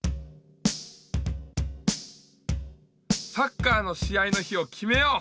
サッカーのしあいの日をきめよう！